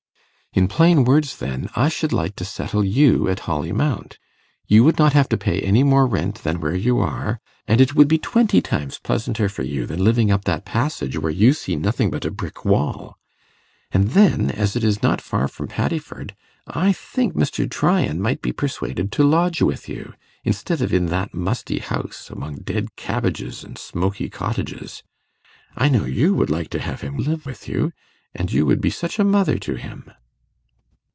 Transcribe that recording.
'In plain words, then, I should like to settle you at Holly Mount. You would not have to pay any more rent than where you are, and it would be twenty times pleasanter for you than living up that passage where you see nothing but a brick wall. And then, as it is not far from Paddiford, I think Mr. Tryan might be persuaded to lodge with you, instead of in that musty house, among dead cabbages and smoky cottages. I know you would like to have him live with you, and you would be such a mother to him.